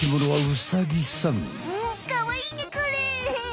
んっかわいいねこれ。